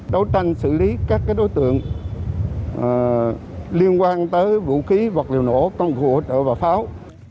đấu tranh xử lý các đối tượng liên quan tới vũ khí vật liệu nổ công cụ hỗ trợ và pháo